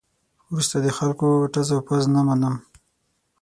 وروسته د خلکو ټز او پز نه منم.